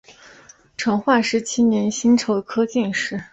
成化十七年辛丑科进士。